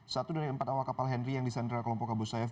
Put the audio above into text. satu dari empat awak kapal henry yang disandra kelompok abu sayyaf